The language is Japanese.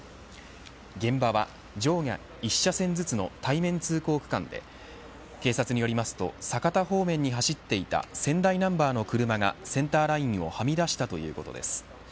現場は、上下１車線ずつの対面通行区間で警察によりますと酒田方面に走っていた仙台ナンバーの車がセンターラインをはみ出したということです。